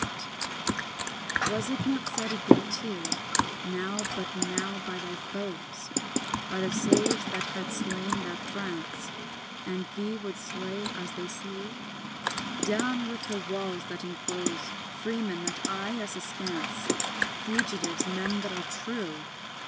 VIII Was it not said of thee too, Now, but now, by thy foes, By the slaves that had slain their France, And thee would slay as they slew— "Down with her walls that enclose Freemen that eye us askance, Fugitives, men that are true!"